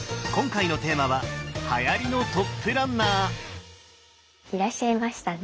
今回のいらっしゃいましたね。